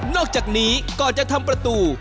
อกจากนี้ก่อนจะทำประตู